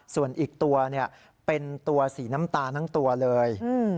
ส่วนอีกตัวเป็นตัวสีน้ำตาลทั้งตัวเลย